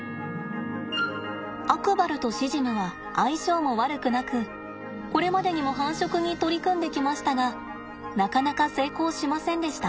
アクバルとシジムは相性も悪くなくこれまでにも繁殖に取り組んできましたがなかなか成功しませんでした。